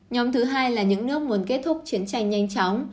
nhóm thứ hai là những nước muốn kết thúc chiến tranh nhanh chóng